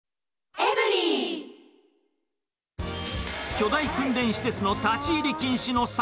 巨大訓練施設の立ち入り禁止の先。